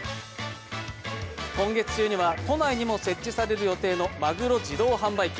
今月中には都内にも設置される予定のマグロ自動販売機。